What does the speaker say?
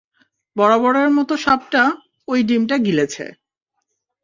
বরাবরের মতো সাপটা, ওই ডিমটা গিলেছে।